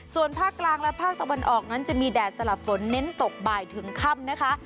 ส่วนภาคกลางและภาคตะวันออกนั้นจะมีแดดสลับฝนเน้นตกบ่ายถึงค่ำนะคะ